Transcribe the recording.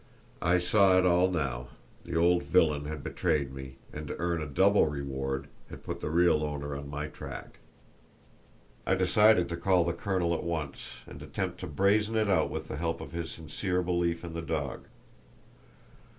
I saw it all now; the old villain had betrayed me, and to earn a double reward had put the real owner on my track. I decided to call the colonel at once, and attempt to brazen it out with the help of his sincere belief in the dog.